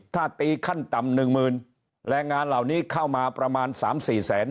ถ้าตีขั้นต่ำหนึ่งหมื่นแรงงานเหล่านี้เข้ามาประมาณสามสี่แสน